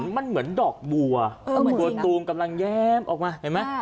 มันเหมือนดอกบัวบัวตูมกำลังแย้มออกมาเห็นไหม